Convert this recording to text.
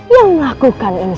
yang melakukan ini